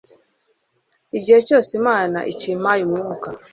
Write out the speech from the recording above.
igihe cyose imana ikimpaye umwuka